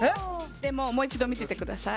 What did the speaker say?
でももう一度見ててください。